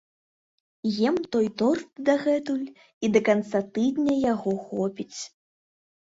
Ем той торт дагэтуль і да канца тыдня яго хопіць.